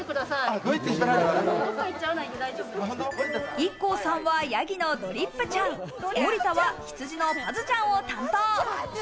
ＩＫＫＯさんはヤギのドリップちゃん、森田は羊のパズちゃんを担当。